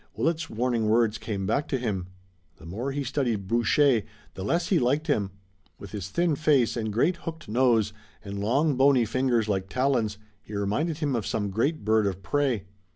Willet's warning words came back to him. The more he studied Boucher the less he liked him. With his thin face, and great hooked nose, and long, bony fingers like talons, he reminded him of some great bird of prey.